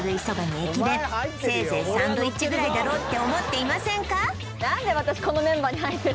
蕎麦に駅弁せいぜいサンドイッチぐらいだろうって思っていませんか